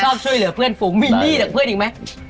ชอบช่วยเหลือเพื่อนฝูงมิลลี่จากเพื่อนอีกไหม